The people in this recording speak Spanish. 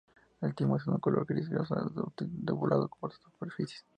El timo es de un color gris rosáceo, dúctil, y lobulado por sus superficies.